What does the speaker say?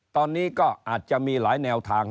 ตอนนี้ก็อาจจะมีหลายแนวทาง